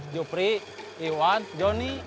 jupri iwan jonny